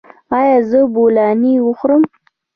ایا زه بولاني وخورم؟